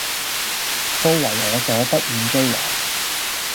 都爲我所不願追懷，